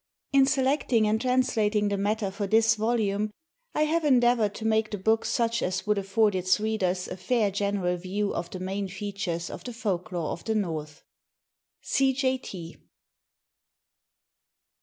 In selecting and translating the matter for this volume, I have endeavoured to make the book such as would afford its readers a fair general view of the main features of the Folklore of the North. C.J.